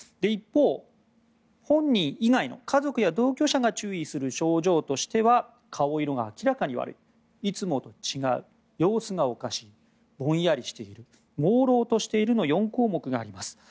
一方、本人以外の家族や同居者が注意する症状としては顔色が明らかに悪いいつもと違う様子がおかしいぼんやりしているもうろうとしているの４項目があります。